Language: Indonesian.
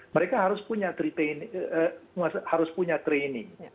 mereka harus punya training